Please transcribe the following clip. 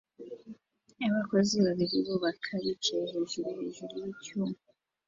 Abakozi babiri bubaka bicaye hejuru hejuru yicyuma